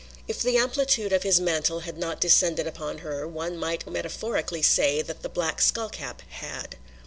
If the amplitude of his mantle had not descended upon her one might metaphorically say that the black skull cap had.